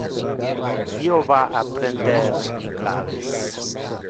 Io va a prender mi claves.